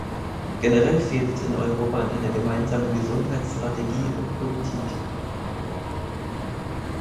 Generell fehlt es in Europa an einer gemeinsamen Gesundheitsstrategie und -politik.